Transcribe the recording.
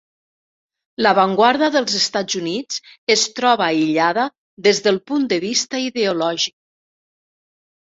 L'avantguarda dels Estats Units es troba aïllada des del punt de vista ideològic.